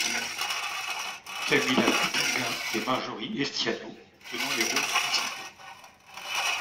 Camila Pitanga et Marjorie Estiano tenant les rôles principaux.